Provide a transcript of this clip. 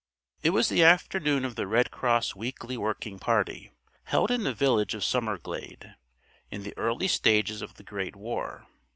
It was the afternoon of the Red Cross weekly working party, held in the village of Summerglade, in the early stages of the Great War.